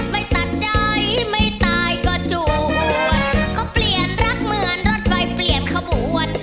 ไปตัดใจไม่ตายก็จูบก็เปลี่ยนรักเหมือนรถไฟเปลี่ยนขบวน